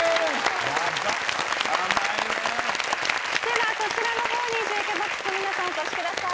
ではこちらの方にジュークボックスの皆さんお越しください。